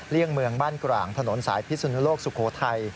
เลี่ยงเมืองบ้านกร่างถนนสายพิศนุโลกสุโขทัย